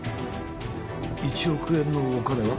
１億円のお金は？